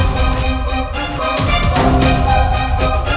kamu gak apa apa